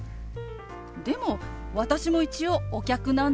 でも私も一応お客なんですけど。